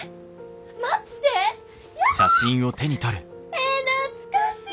え懐かしい！